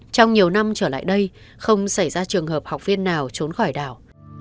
trong nhiều năm trở lại đây không xảy ra trường hợp học viên nào trốn khỏi đảo